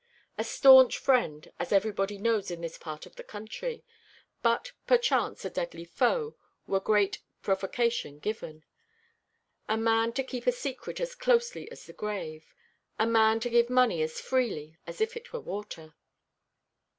A staunch friend, as everybody knows in this part of the country; but perchance a deadly foe were great provocation given; a man to keep a secret as closely as the grave. A man to give money as freely as if it were water.